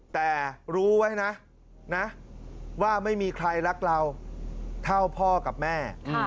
แต่รู้ไว้นะว่าไม่มีใครรักเราเท่าพ่อกับแม่